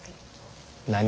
何？